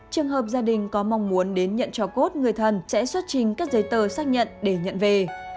trường hợp gia đình có mong muốn đến nhận cho cốt người thân sẽ xuất trình các giấy tờ xác nhận để nhận về